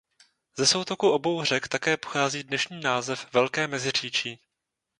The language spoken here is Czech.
Ze soutoku obou řek také pochází dnešní název Velké Meziříčí.